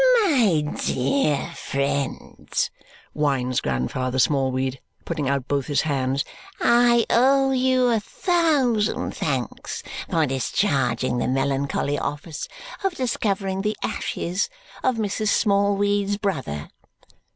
"My dear friends," whines Grandfather Smallweed, putting out both his hands, "I owe you a thousand thanks for discharging the melancholy office of discovering the ashes of Mrs. Smallweed's brother."